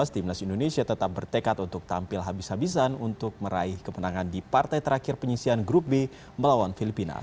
timnas indonesia tetap bertekad untuk tampil habis habisan untuk meraih kemenangan di partai terakhir penyisian grup b melawan filipina